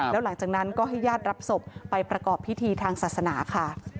แล้วหลังจากนั้นก็ให้ญาติรับศพไปประกอบพิธีทางศาสนาค่ะ